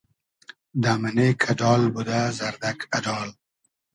دۂ مئنې کئۮال بودۂ زئردئگ اۮال